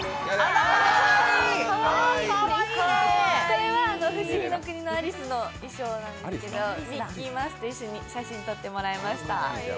これは不思議の国のアリスの衣装なんですけどミッキーマウスと一緒に写真撮ってもらいました。